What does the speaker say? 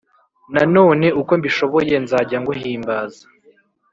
Nanone uko mbishoboye nzajya nguhimbaza